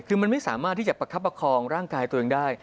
คือมันไม่สามารถที่จะประคับประคองร่างกายตัวเองได้